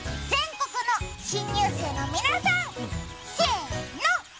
全国の新入生の皆さんせーの！